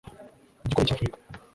igikombe cy’Afurika